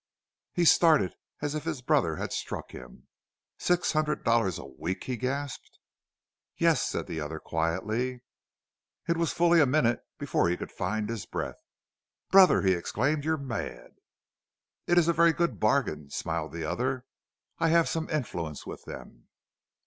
He started as if his brother had struck him. "Six hundred dollars a week!" he gasped. "Yes," said the other, quietly. It was fully a minute before he could find his breath. "Brother," he exclaimed, "you're mad!" "It is a very good bargain," smiled the other; "I have some influence with them."